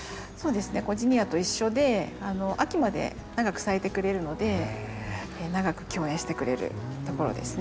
ジニアと一緒で秋まで長く咲いてくれるので長く共演してくれるところですね。